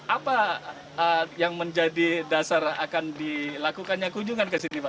apa yang menjadi dasar akan dilakukannya kunjungan ke sini pak